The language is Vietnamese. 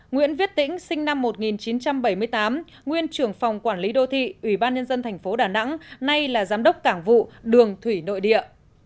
nguyễn viết tĩnh sinh năm một nghìn chín trăm bảy mươi tám nguyên trưởng phòng quản lý đô thị ủy ban nhân dân tp đà nẵng nay là giám đốc cảng vụ đường thủy nội địa